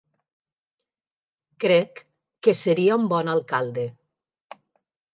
Crec que seria un bon alcalde...